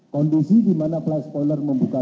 kondisi dimana fly spoiler membuka